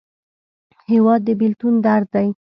هېواد د بېلتون درد دی.